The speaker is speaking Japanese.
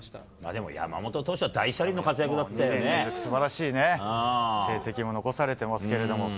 でも、山本投手は大車輪の活すばらしいね、成績も残されてますけども。